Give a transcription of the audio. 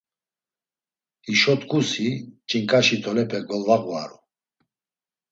Hişo t̆ǩusi, Ç̌inǩaşi tolepe golvağvaru.